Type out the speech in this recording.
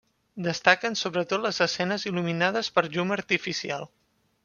Destaquen sobretot les escenes il·luminades per llum artificial.